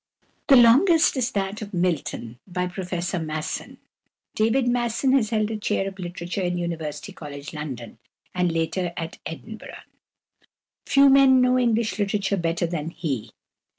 The longest is that of Milton by Professor Masson. =David Masson (1822 )= has held a chair of literature in University College, London, and later at Edinburgh. Few men know English literature better than he.